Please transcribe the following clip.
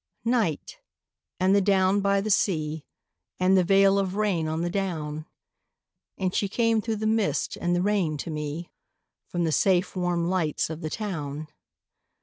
NIGHT, and the down by the sea, And the veil of rain on the down; And she came through the mist and the rain to me From the safe warm lights of the town.